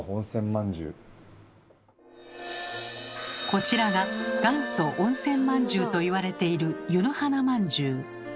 こちらが元祖温泉まんじゅうといわれている「湯の花まんじゅう」。